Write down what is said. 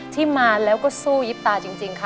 ที่มาแล้วก็สู้ยิบตาจริงค่ะ